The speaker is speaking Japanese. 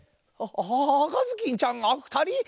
赤ずきんちゃんがふたり？